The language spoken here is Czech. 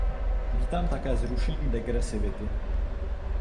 Vítám také zrušení degresivity.